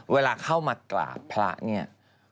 เวลาเข้ามากราบพระเนี่ย